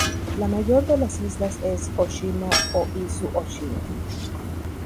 La mayor de las islas es Ōshima o Izu Ōshima.